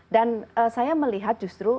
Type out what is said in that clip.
dan saya melihat justru